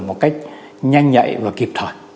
một cách nhanh nhạy và kịp thoải